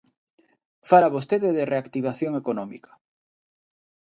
Fala vostede de reactivación económica.